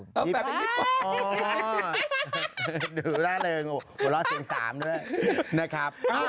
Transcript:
ต้องแปลเป็นยิบหวานอ๋อดูได้เลยหัวเราะเสียงสามด้วยนะครับ